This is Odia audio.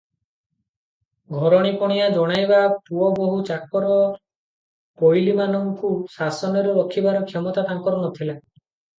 ଘରଣୀପଣିଆ ଜଣାଇବା, ପୁଅ ବୋହୂ, ଚାକର, ପୋଇଲୀମାନଙ୍କୁ ଶାସନରେ ରଖିବାର କ୍ଷମତା ତାଙ୍କର ନଥିଲା ।